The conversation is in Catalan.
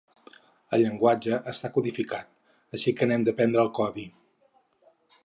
El llenguatge està codificat, així que n’hem d’aprendre el codi.